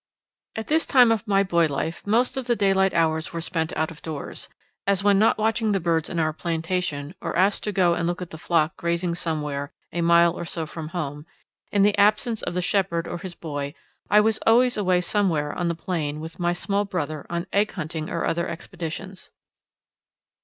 At this time of my boy life most of the daylight hours were spent out of doors, as when not watching the birds in our plantation or asked to go and look at the flock grazing somewhere a mile or so from home, in the absence of the shepherd or his boy, I was always away somewhere on the plain with my small brother on egg hunting or other expeditions.